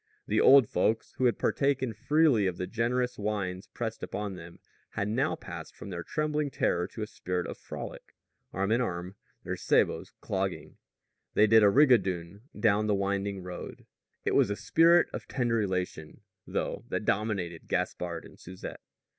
The old folks, who had partaken freely of the generous wines pressed upon them, had now passed from their trembling terror to a spirit of frolic. Arm in arm, their sabots clogging, they did a rigadoon down the winding road. It was a spirit of tender elation, though, that dominated Gaspard and Susette.